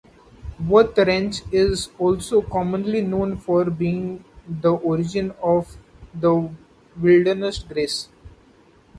Worth Ranch is also commonly known for being the origin of the Wilderness Grace